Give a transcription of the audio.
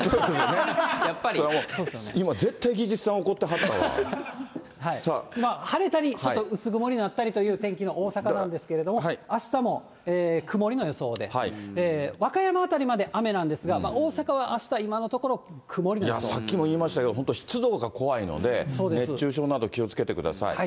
今、絶対、技術さん、怒って晴れたりちょっと薄曇りになったりといった天気の大阪なんですけども、あしたも曇りの予想で、和歌山辺りまで雨なんですが、大阪はあした今のところ、曇りの予いや、さっきも言いましたけど、湿度が怖いので、熱中症など気をつけてください。